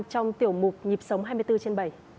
trong tiểu mục nhịp sống hai mươi bốn trên bảy